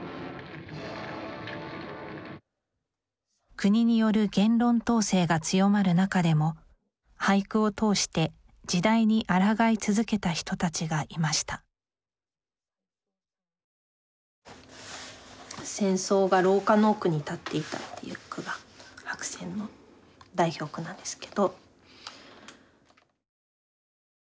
国による言論統制が強まる中でも俳句を通して時代にあらがい続けた人たちがいました「戦争が廊下の奥に立つてゐた」という句が白泉の代表句なんですけど。